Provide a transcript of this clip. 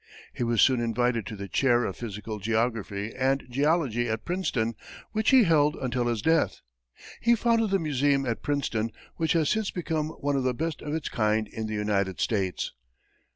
He was soon invited to the chair of physical geography and geology at Princeton, which he held until his death. He founded the museum at Princeton, which has since become one of the best of its kind in the United States.